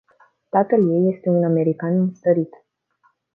Tatăl ei este un american înstărit.